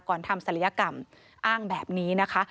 ทำศัลยกรรมอ้างแบบนี้นะคะ